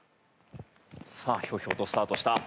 さあひょうひょうとスタートした。